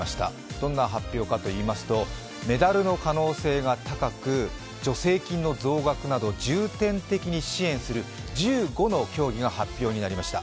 どんな発表かといいますとメダルの可能性が高く助成金の増額など重点的に支援する１５の競技が発表になりました。